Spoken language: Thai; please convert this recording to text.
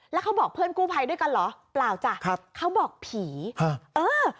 แล้วเขาบอกเพื่อนกู้ภัยด้วยกันเหรอเปล่าจ้ะครับเขาบอกผีฮะเออ